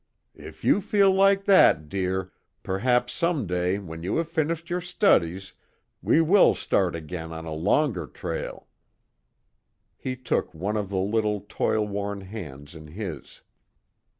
"If you feel like that, dear, perhaps some day when you have finished your studies we will start again on a longer trail." He took one of the little toil worn hands in his.